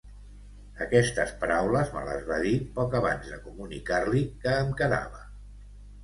Aquestes paraules me les va dir poc abans de comunicar-li que em quedava.